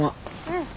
うん。